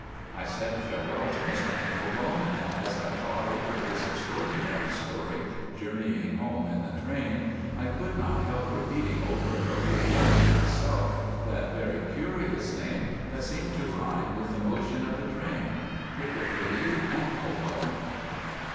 '" I said farewell to Mr Anklebone, and as I thought over his extraordinary story journeying home in the train, I could not help repeating over and over again to myself that very curious name that seemed to rhyme with the motion of the train—Concrikketty Anklebone.